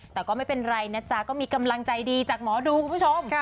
แต่ก็ไม่เป็นไรนะจ๊ะก็มีกำลังใจดีจากหมอดูคุณผู้ชม